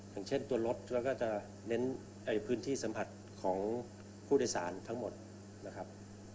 อย่างเช่นตัวรถแล้วก็จะเน้นพื้นที่สัมผัสของผู้โดยสารทั้งหมดนะครับ